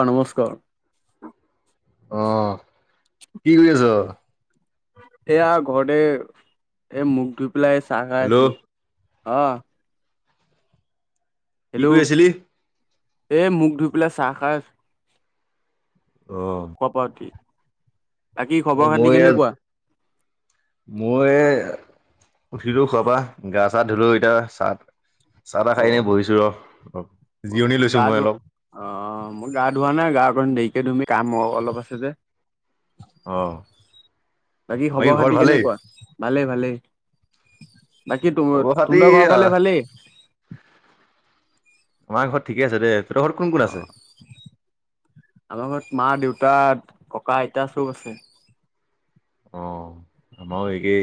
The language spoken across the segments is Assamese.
অ' নমস্কাৰ। অ', কি কৰি আছ? এয়া, ঘৰতে এই, মুখ ধুই পেলাই, চাহ খাই হেল্ল' আছিলোঁ। অ'হ। কি কৰি আছিলি? এ, মখ ধুই পেলাই চাহ খাই অহ কপতি এ মই ইয়াত মই উঠিলো শুৱাৰ পৰা। গা-চা ধুলো এতিয়া চাহ চাহ তাহ অ খাই ন বহিছো ৰ। অ' জিৰণি লৈছো গা মই ধোৱা অলপ। অ' মই গা ধোৱা নাই। গা অকণ দেৰিকৈ ধুম কাম অলপ আছে যে। অ বাকী খবৰ ঘৰত খাতি ভালেই কেনেকুৱা? ভালেই ভালেই। বাকী খবৰ খাতি তহঁতৰ ঘৰৰ আহ ফালে ভালেই? আমাৰ ঘৰত ঠিকে আছে দে। তহঁতৰ ঘৰত কোন কোন আছে? অ', আমাৰ ঘৰত মা দেউ তা, ককা আইতা চব আছে। অ', আমাৰো একে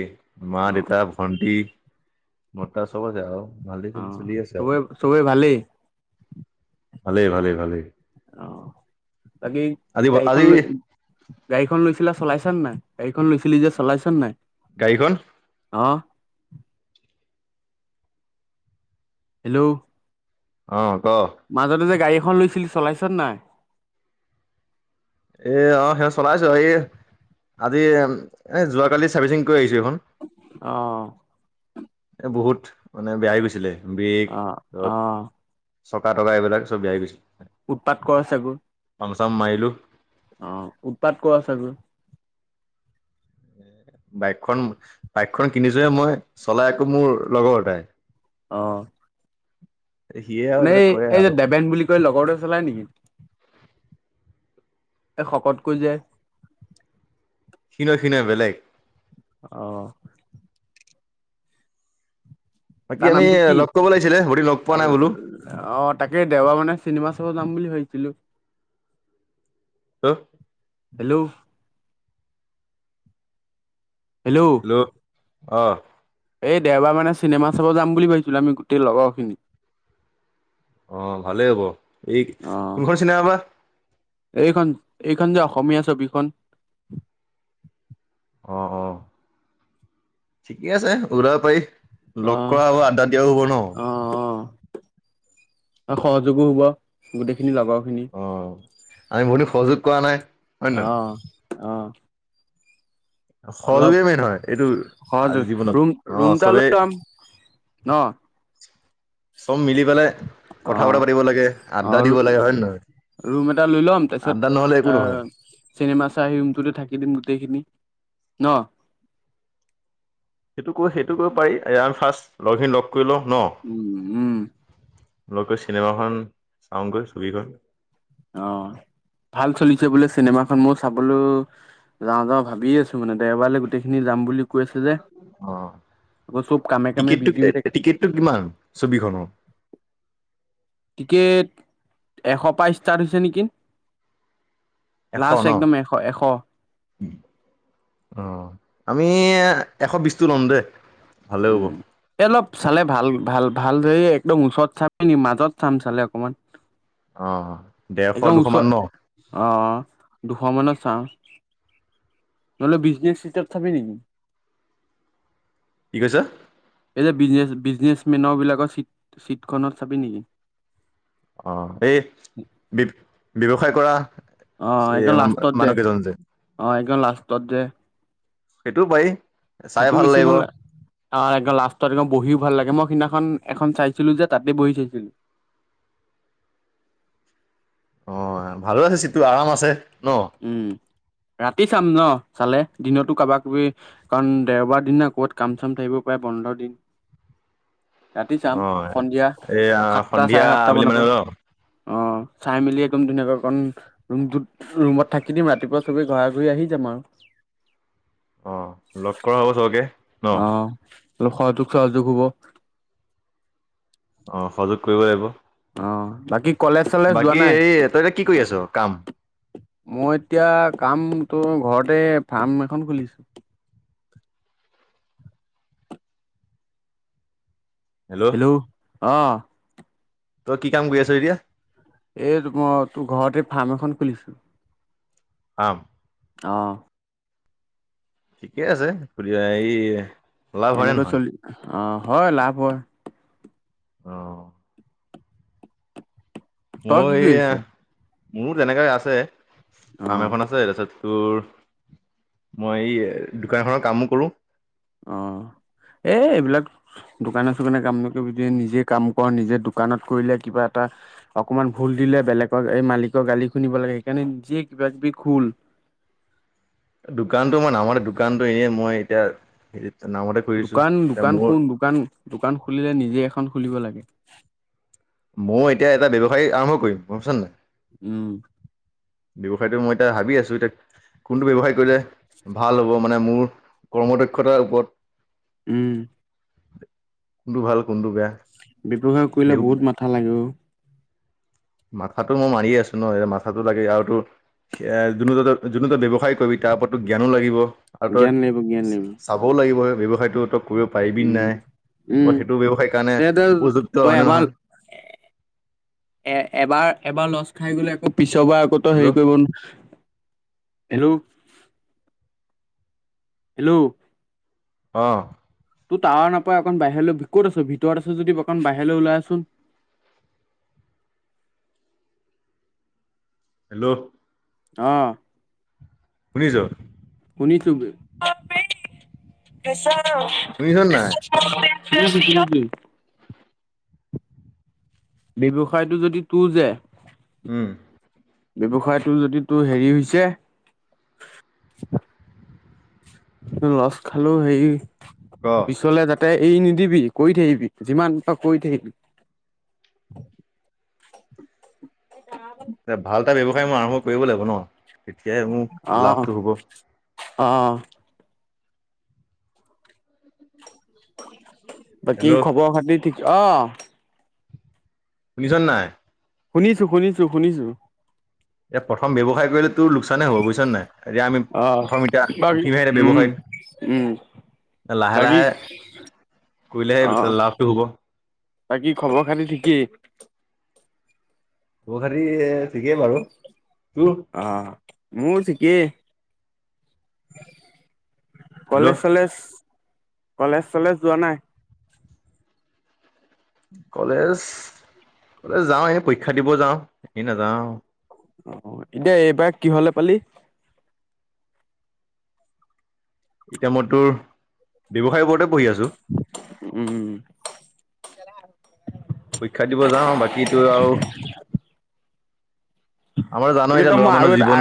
মা, অ দেউতা, ভণ্টি। [unintelligible] অ' সৱৰে ভালেই। ভালেই ভালেই ভালেই। অ', বাকী আজি গাড়ীখন আজি লৈ, গাড়ীখন লৈছিলা? চলাইছ' নে নাই, গাড়ীখন লৈছিলি যে চলাইছ নাই? গাড়ীখন? অ', হেল্ল' অ', ক মাজতে যে গাড়ী এখন লৈছিলি চলাইছ নে নাই? এ অ, সেই চলাইছোঁ, এ আজি এ যোৱা কালি চাৰ্ভিচিং কৰি আহি অ', এ বহুত, মানে বেয়া হৈ গৈছিলে। ব্ৰেক অ', ধৰক অ, চকা টকা এইবিলাক সব বেয়া হৈ গৈছিলে। উৎপাত কৰে চাগো? [unintelligible] অ', উৎপাত কৰে চাগো? বাইকখন, বাইকখন কিনিছোঁহে মই, চলাই আকৌ মোৰ লগৰ এটা। অ'। সিয়ে আৰু এইবিলাক এই কৰে এই যে আৰু দেবেন বুলি কয় লগৰটোৱে চলায় নেকি? এ শকতকৈ যে? সি নহয়, সি নহয় বেলেগ। অহ ', বাকী তাৰ আমি নামটো কি? লগ কৰিব লাগিছিলে বহু দিন লগ পোৱা নাই বোলো অ' তাকে দেওবাৰ মানে চিনেমা যাম বুলি ভাবিছিলোঁ। হা? হেল্ল', হেল্ল', অহ ', এই দেওবাৰ মানে চিনেমা চাব যাম বুলি ভাবিছিলো আমি গোটেই লগৰ খিনি। অ, ভালেই হ'ব এই অ কোনখন চিনেমা বা? এইখন এইখন যে অসমীয়া ছবিখন অ', অ', ঠিকে আছে উলাব পাৰি। অ লগ কৰা হব আড্ডা দিয়াও হ'ব ন? আৰু সহযোগো হ'ব গোটেইখিনি লগৰ। খিনি অ' আমি বহুদিন সহযোগ কৰা নাই। হয় নহয় অহ ', অহ ', অলপ সহযোগেই মেইন হয় এইটো সজ আজি জীৱনত ৰুম - অ' চবেই ৰুমটালৈ যাম। ন' চব মিলি পেলাই কথা বা অ', পাতিব লাগে আড্ডা অ', দিব লাগে হয়ে নহয়? ৰুম এটা লৈ ল'ম আড্ডা নহ'লে একো তাৰপিছত নহয়। আহ চিনেমা চাই ৰুমটোতে থাকি দিম গোটেইখিনি। ন? সেইটো ক সেইটো কৰিব পাৰি এ আম ফাৰ্ষ্ট লগখিনি লগ কৰি লওঁ ন উম, উম, লগ কৈ চিনেমাখন চাগৈ ছবিখন অ ভাল চলিছে বোলে চিনেমাখন মই চাবলৈ যাওঁ যাওঁ ভাবিয় আছো মানে দেওবাৰেলে গোটেইখিনি যাম বুলি কৈ আছে যে অ', আকৌ চব কামে কামে টিকেটটো বিজি হৈ থাকে টিকেটটো কিমান ছবিখনৰ টিকেট এশপ ষ্টাৰ্ট হৈছে নেকি? এশ লাষ্ট ন অ একদম এশ এশ আমি এ এশ বিশ টো ল'ম দে উম এ অলপ চালে ভাল ভাল ভাল এই একদম ওচৰত চাম নি মাজত চাম চালে অকমান অ ডেৰশ একদম দুশ মান ওচৰ ন অ, দুশ মানৰ চাও নহলে বিজনেছ্ চিতাপ থবি নেকি কি কৈছা এতি বিজনেচ-বিজ বিজনেছমেনৰবিলাকৰ ছিটখনত চাপি নেকি অ এই বে ব্যৱসায় কৰা অ, এই এইদখন লাষ্টত দে মানুহ কেইজন যে অ, একখন লাষ্টত দে। সেইটো পাৰি চাই সেইটোও ভাল বেছি লাগিব নহ'লে আৰু একদম লাষ্টত একদম বহিও ভাল লাগে মই সিদিনাখন এখন চাইছিলো যে তাতে বহি চাইছিলো। অ ভালো আছে চিটো আৰাম আছে ন উম, ৰাতি চাম ন'। চালে দিনতো কাৰোবাক কবি কাৰণ দেওবাৰ দিন ন ক'ত কাম চাম থাকিব পাৰে বন্ধৰ দিন ৰাতি চাম অ সন্ধিয়া এয়া সাতটা চাৰে সন্ধিয়া সাতটা আবেলি মানৰ পৰা মানে লও অ, চাই মেলি একদম ধুনীয়াকে অকণ ৰুমটোত ৰুমত থাকি দিম ৰাতিপুৱা চবে ঘৰা ঘূৰি আহি যাম আৰু। অ লগ কৰা হ'ব চবকে ন অ', অলপ সহযোগ চহযোগ হ'ব। অ সহযোগ কৰিব লাগিব অ, বাকী কলেজ চলেজ যোৱা বাকী নাই? এই তই এতিয়া কি কৰি আছ কাম মই এতিয়া কাম তোৰ ঘৰতে ফাৰ্ম এখন খুলিছো। [unintelligible] হেল্ল', অ, তই কি কাম কৰি আছ এতিয়া এ তো মই ঘৰতে এই ফাৰ্ম এখন খুলিছো [unintelligible] অ', ঠিকে আছে ফুৰি আহি এই লাভ হয়নে এনেকৈ নহয় চলি অ, হয় লাভ হয়। অ তই কি এই কৰিছ মোৰ তেনেকাই আছে আম অ', এখন আছে তাৰছত তোৰ মই এই দোকানএখনৰ কামো কৰোঁ। অ', এ - এইবিলাক দোকানে চোকানে কাম নকৰিবি তই নিজে কাম কৰ নিজে দোকানত কৰিলে কিবা এটা অকমান ভুল দিলে বেলেগক এই মালিকৰ গালি শুনিব লাগে সেইকাৰণে নিয়ে কিবা কিবি খুল [inaudible] দোকানতো এই দোকান-দোকান খোল দোকান-দোকান খুলিলে নিজে এখন খুলিব লাগে। ময়ো এতিয়া এটা ব্যৱসায় আৰম্ভ কৰিম গম পাইছ নে নাই? উম, ব্যৱসায়টো মই এতিয়া ভাবি আছো এতিয়া কোনটো ব্যৱসায় কৰিলে ভাল হ'ব মানে মোৰ কৰ্ম দক্ষতাৰ ওপৰত উম, কোনটো ভাল কোনটো বেয়া? ব্যৱসায় কৰিলে দেউ বহুত মাথা লাগে ও। মাথাতটো মই মাৰিয়ে আছো। ন মাথাটো লাগে আৰুতো। সেয়া যোনটো [unintelligible] যোনটো তই ব্যৱসায় কৰিবি তাৰ ওপৰততো জ্ঞানো লাগিব। আৰু তই জ্ঞান লাগিব জ্ঞান লাগিব চাবও লাগিবহ ব্যৱসায়টো তই। কৰিব পাৰিবি উম নাই উম ত সেইটো ব্যৱসায় কাৰণে এ তই উপযুক্ত তই হয়নে এবাৰ নহয়। এ এবাৰ। এবাৰ লছ খাই গ'লে। আকৌ পিছৰ পৰা আকৌতো হেল্ল' হেৰি কৰিব ন। হেল্ল'। হেল্ল'। অ', তোৰ টাৱাৰ নাপাই অকণ বাহিৰলৈ ক'ত আছো ভিতৰত আছো যদি অকণ বাহিৰলৈ ওলাই আচোন। [inaudible] হেল্ল'। অ ', শুনিছ? শুনিছোগে। শুনিছ নে নাই? চ খুচ ন [unintelligible] ব্যৱসায়টোৰ যদি তোৰ যে। উম, ব্যৱসায়টো যদি তোৰ হেৰি হৈছে লছ খালো হে ক পিছলে যাতে এই নিদিবি কৰি থাকিবি যিমান পাৰ কৰি থাকিবি। এ ভাল এটা ব্যৱসায় মোৰ আৰম্ভ কৰিব লাগিব ন। তেতিয়াই মোৰ লাভটো হ'ব। আহ। বাকী হেল্ল' খবৰ খাতি ঠিক অ, শুনিছনে নাই। শুনিছো, শুনিছো, শুনিছো। এতিয়া প্ৰথম ব্যৱসায় কৰিলে তোৰ লোকচানহে হবুজছ নাই এতিয়া আমি অ প্ৰথম এতিয়া বাকী উঠিমহে এতিয়া উম ব্যৱসায়ত উম, বাকী লাহে-লাহে কৰিলেহে লাভটো হ'ব। বাকি খবৰ খাতি ঠিকেই। বখাটী থঠিকেই বাৰু। তোৰ আহ ম ঠিকে। হেল্ল' কলেজ চলেজ - কলেজ চলেজ যোৱা নাই। কলেজ-কলেজ যাও এই পৰীক্ষা দিব যাওঁ এ নাযাওঁ। এতিয়া এইবাৰ কি হলে পালি? এতি ম তোৰ ব্যৱসায় বৰতে বহি আছো। উম, পৰীক্ষা দিব যাওঁ বাকী আৰু আমাৰ জানই এতিয়া সেতো ল'ৰা মই মানুহৰ আৰু এটা জীৱন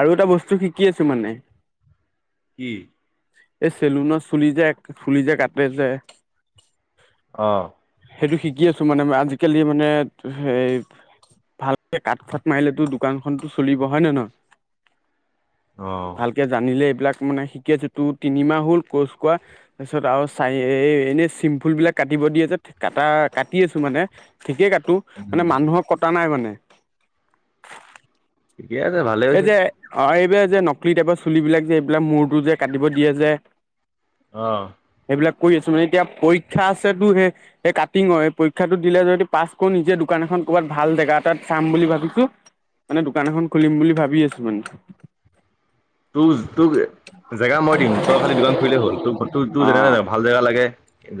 আৰু এটা বস্তু শিকি আছো মানে। কি। এই চেলুনৰ চুলি যে ফুলি যে কাটে যে অ'। সেইটো শিকি আছো মানে আজিকালি মানে সেই ভালকে কাঠফাট মাৰিলেতো দোকানখনতো চলিব হয় নে নহয়? [inaudible] অ ভালকে জানিলে বিলাক মানে শিকি আছো তোৰ তিনিমাহ হ'ল কৰ্চ কৰা তাৰপিছত আৰু [unintelligible] এই এনে চিমফুল বিলাক কাটিব দি আছে কটা কাটি আছো মানে ঠিকেই কাটো মানে উম। মানুহক কটা নাই মানে। [unintelligible] ঠিকে আছে ভালে হৈছে এতিয়া আ', যে নকলি টাইপৰ চুলিবিলাক যে এইবিলাক মূৰটো যে কাটিব দিয়ে যে। অহ, বিলাক কৰি আছো মানে এতিয়া পৰীক্ষা আছে সেই স কাটিঙৰ স পৰক্ষো দিলে য পা কৰো নিজে দোকান [unintelligible] এখন ক'ৰবাত ভাল জেগা এটাত চাম বুলি ভাবিছোঁ। মানে দোকান এখন খুলিম বুলি ভাবি আছো মানে [unintelligible] জেগা মই দিম তই খালি দোকান খুৰিলেই হ'ল তোৰোৰ তোৰ যেনে ভাল জেগা লাগে।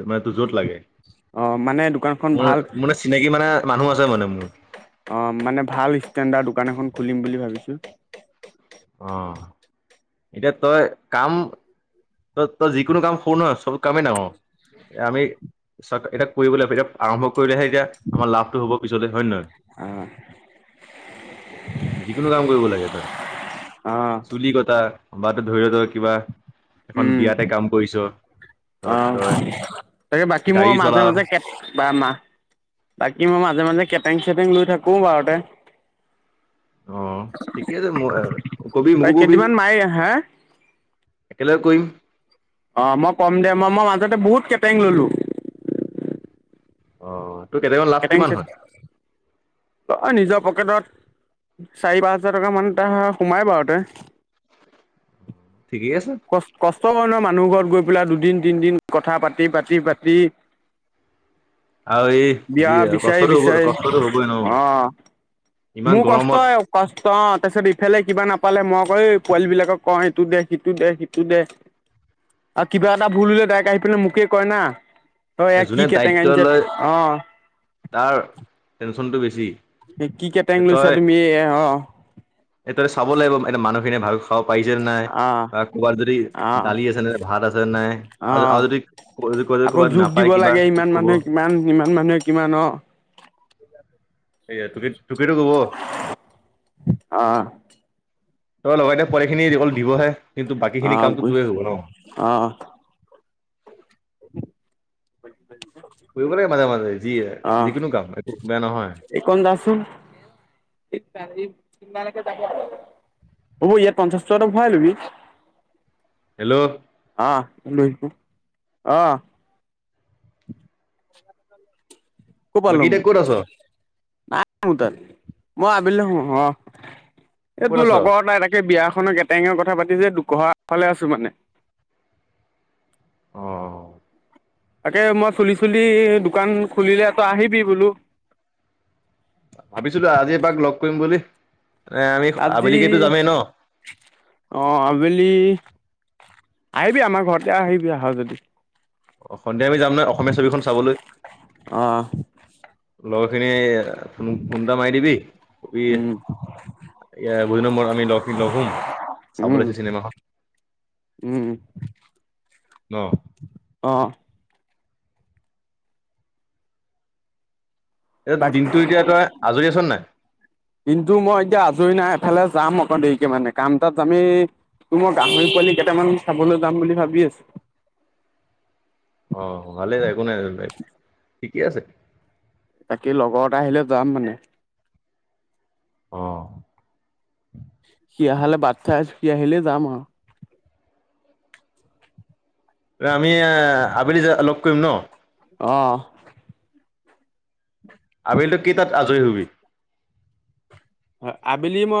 মানে তোৰ য'ত লাগে। অ মানে দোকানখন মোৰ ভাল মোৰ মানে চিনাকি মানে মানুহ আছে মানে মোৰ। অ, মানে ভাল ষ্টেণ্ডাৰ্ড দোকান এখন খুলিম বুলি ভাবিছো। অ'। এতিয়া তই কাম ত তই যিকোনো কাম কৰৰু নহয় চব কামি ন আমি চ এতিয়া কৰিবলৈ এতিয়া আৰম্ভ কৰিলেহে এতিয়া আমাৰ লাভটো হ'ব পিছতে হয় নে নহয়। যিকোনো কাম কৰিব লাগে তই। অ চুলি কটা বা ত ধৰিওত কিবা এখন উম বিয়াতে কাম কৰিছ। তই অ' তই তাকে বাকী মোৰ গাড়ী মাজে চলাও মাজে [unintelligible] কি মই মাজে-মাজে কেটেং-চেটেং লৈ থাকো বাৰতে। অ' ঠিকেই আছে ক'বি মোকো ক'বি। কেইদিনমান মাৰি হে একেলগে কৰিম। অ, মই কম দে মই মই মাজতে বহুত কেটাৰিং ললোঁ। অহ তোৰ কেইটামান লাভ কেটেং কিমান চেটেং হয়। অ' নিজৰ পকেটত চাৰি পাঁচ হাজাৰ টকামান এটা সোমাই বাৰু তেই। ঠিকেই আছে। তৰ মানুহ ঘৰত গৈ পেলাই দুদিন তিনিদিন কথা পাতি-পাতি-পাতি। আৰু এই যি বিয়া বিচাৰি কষ্টটো হ'ব বিচাৰি কষ্টটো হ'বই ন ইমান মোৰ কষ্ট গৰমত কষ্টত তাৰপিছত ইফালে কিবা নাপালে মই কওঁ পোৱালীবিলাকক এইটো দে সিটো দে সিটো দে। আৰু কিবা এটা ভুল লে ডাইক আহি পিনে মোকে কয় না। যোনে দায়িত্ব লয় তাৰ [unintelligible] [unintelligible] বেছি। এ কি কেটেং এ লৈছা তই তুমি এ অ এ তই চাব লাগিব এ মানুহখিনিয়ে ভালকৈ খাব পাইছে নে নাই অ বা ক'ৰবাত যদি অ দালি আছে নে নাই ভাত আছে নে নাই। অ আৰু যদি আকৌ কৰবাত যোগ নাপায় দিব কিবা লাগে তোক ইমান ক'ব। মানুহে কিমান ইমান মানুহে কিমান অ এয়া তোকে তোকেতো কব। অ' ত লগতে পঢাইখিনি অকল দিবহে কিন্তু অ বাকীখিনি কামটো তোৰেই বুজিছো হব ন। অ', হয় কৰিব লাগে মাজে-মাজে যি অ', যিকোনো কাম একো বেয়া নহয়। উ [inaudible] এইকণ যাচোন [inaudible] হ'ব ইয়াত পঞ্চাশ টকা ভৰাই লবি। হেল্ল'। অঁ অঁ। ক'ৰ পৰা বাকী ল'ম এতিয়া ক'ত আছ? নাই মোৰ তাল মই আবেলিলে হ অ, এই ক'ত তোৰ আছ লগৰ ত এ তাকে বিয়া খনৰ এটেঙৰ কথা পাতি যে দুকহা ফালে আছো মানে। অঁ। তাকে মই চুলি-চুলি দোকান খুলিলে তই আহিবি বোলো। ভাবিছো দে আজি এবাক লগ কৰিম বুলি। এ আমি আজি আবেলিকেতো যামেই ন অঁ আবেলি। আহিবি আমাৰ ঘৰতে আহিবি আহ যদি। অ, সন্ধিয়া আমি যাম না অসমীয়া ছবিখন চাবলৈ। অ', লগৰ খিনি ফোন ফোনটা মাৰি দিবি। এ উম, বহুত দিনৰ মূৰত আমি ল লগ হোম উম, চাবলৈচো চিনেমা খন। অহ, এ তাক দিনটো এতিয়া তই আজৰি আছ নাই কিন্তু মই এতিয়া আজৰি নাই এফালে যাম। দেৰিকে মানে কাম তাত আমি তোৰ মই গাহৰি পোৱালি কেইটামান চাবলৈ যাম বুলি ভাবি আছো। আহ ভালেই য একো নাই জো বাই ঠিকে আছে। বাকী লগৰতে আহিলে যাম মানে। অহ', সি আহালে বাটচাই আছো সি আহিলে যাম আৰু। আমি এ আবেলি লগ কৰিম ন? অহ। আবেলিতো কি তাত আজৰি হবি? [unintelligible] আবেলি মই